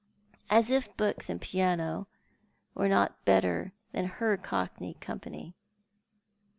As if books and piano were not better than her cockney company.